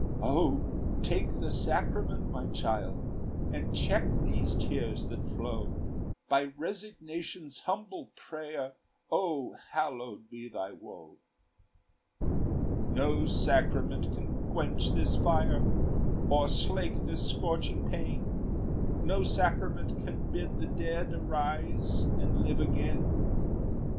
"O take the sacrament, my child, And check these tears that flow; By resignation's humble prayer, O hallowed be thy woe!" "No sacrament can quench this fire, Or slake this scorching pain; No sacrament can bid the dead Arise and live again.